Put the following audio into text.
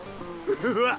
うわっ！